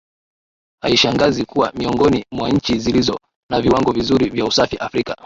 Haishangazi kuwa miongoni mwa nchi zilizo na viwango vizuri vya usafi Afrika